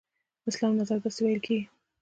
اسلام نظر داسې دی ویل کېږي.